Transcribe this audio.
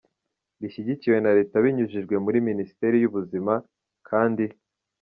rishyigikiwe na Leta binyujijwe muri Minisiteri y’Ubuzima, kandi.